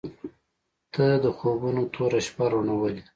• ته د خوبونو توره شپه روڼولې.